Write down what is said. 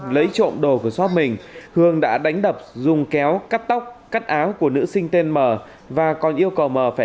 lấy trộm đồ của shop mình hường đã đánh đập dùng kéo cắt tóc cắt áo của nữ sinh tên mờ và còn yêu cầu mờ phải